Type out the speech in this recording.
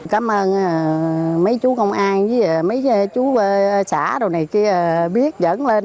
cảm ơn mấy chú công an mấy chú công an